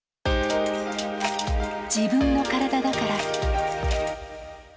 自分の体だから。